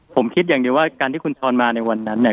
ผมคิดอย่างเดียวว่าการที่คุณช้อนมาในวันนั้นเนี่ย